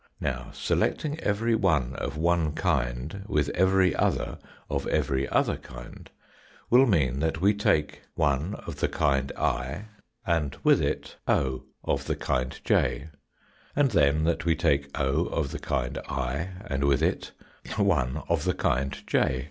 Now, selecting every one of one kind with every other of every other kind will mean that we take 1 of the kind i and 134 THE FOURTH DIMENSION with it o of the kind j ; and then, that we take o of the kind i and with it 1 of the kind j.